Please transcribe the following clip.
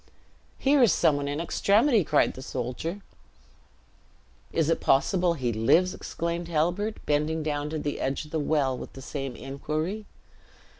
"Here is some one in extremity!" cried the soldier. "Is it possible he lives!" exclaimed Halbert, bending down to the edge of the well with the same inquiry.